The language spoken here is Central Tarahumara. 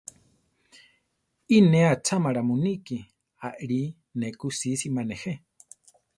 Iʼ ne achámara muníki; aʼlí ne ku sísima nejé.